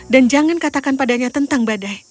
dan jangan katakan padanya tentang badai